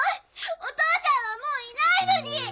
お父さんはもういないのに！